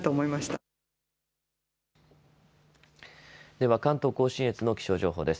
では関東甲信越の気象情報です。